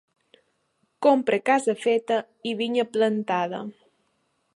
Compra casa feta i vinya plantada.